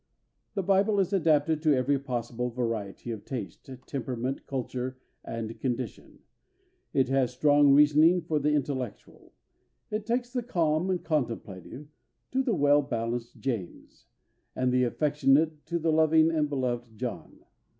The Bible is adapted to every possible variety of taste, temperament, culture, and condition. It has strong reasoning for the intellectual. It takes the calm and contemplative to the well balanced James, and the affectionate to the loving and beloved John.